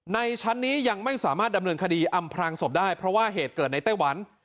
ในชั้นนี้ยังไม่สามารถดำเนินคดีอำพรางศพได้เพราะว่าเหตุเกิดในไต้หวัน